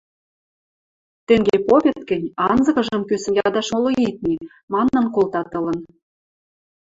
– Тенге попет гӹнь, анзыкыжым кӱсӹн ядаш моло ит ми… – манын колтат ылын.